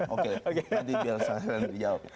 oke nanti biar saya yang jawab